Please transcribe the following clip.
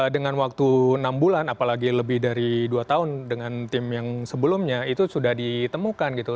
dengan waktu enam bulan apalagi lebih dari dua tahun dengan tim yang sebelumnya itu sudah ditemukan gitu